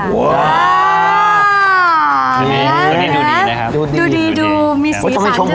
ตัวนี้ดูดีนะครับดูดีดูมีสีสันด้วยครับ